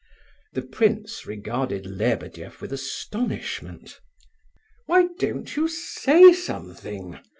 The prince regarded Lebedeff with astonishment. "Why don't you say something?"